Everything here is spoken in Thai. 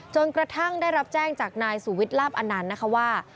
จนกระทั่งได้รับแจ้งจากนายสุวิทย์ลาบอนันต์นะคะว่า